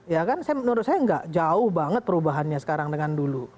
ya kan menurut saya nggak jauh banget perubahannya sekarang dengan dulu